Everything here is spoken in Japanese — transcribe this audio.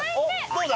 どうだ？